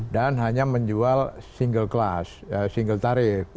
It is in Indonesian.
hanya menjual single class single tarif